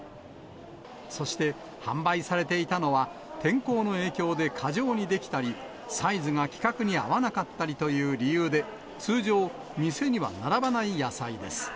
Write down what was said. そして、販売されていたのは、天候の影響で過剰に出来たり、サイズが規格に合わなかったりという理由で、通常、店には並ばない野菜です。